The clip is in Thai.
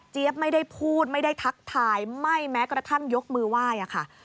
ไม่ได้พูดไม่ได้ทักทายไม่แม้กระทั่งยกมือไหว้ค่ะ